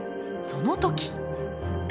その時。